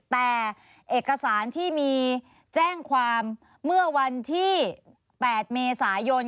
แต่เอกสารที่มีแจ้งความเมื่อวันที่๘เมษายน